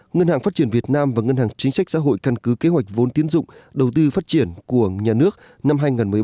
ngân hàng phát triển việt nam và ngân hàng chính sách xã hội căn cứ kế hoạch vốn tiến dụng đầu tư phát triển của nhà nước năm hai nghìn một mươi bốn